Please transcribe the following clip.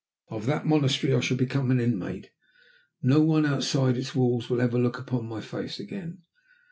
Of that monastery I shall become an inmate. No one outside its walls will ever look upon my face again.